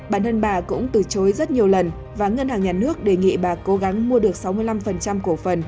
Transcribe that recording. bản thân bà cũng từ chối rất nhiều lần và ngân hàng nhà nước đề nghị bà cố gắng mua được sáu mươi năm cổ phần